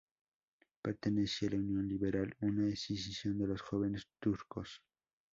Pertenecía la Unión Liberal, una escisión de los Jóvenes Turcos.